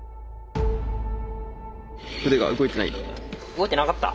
動いてなかった？